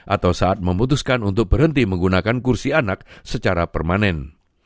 atau saat memutuskan untuk berhenti menggunakan kursi anak secara permanen